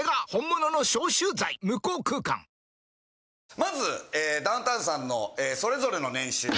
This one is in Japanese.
まずえダウンタウンさんのそれぞれの年収。